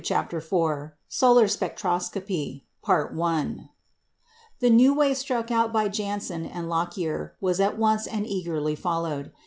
] CHAPTER IV SOLAR SPECTROSCOPY The new way struck out by Janssen and Lockyer was at once and eagerly followed.